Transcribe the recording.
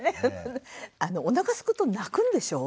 おなかすくと泣くんでしょ？